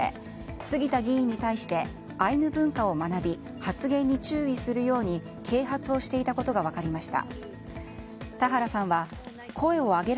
杉田議員に対してアイヌ文化を学び発言に注意するように啓発をしていたことが分かりました。